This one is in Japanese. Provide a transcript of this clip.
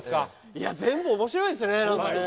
いや、全部おもしろいですね、なんかね。